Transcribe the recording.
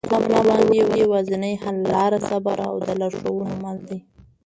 د کرونا په وړاندې یوازینی حل لاره صبر او د لارښوونو منل دي.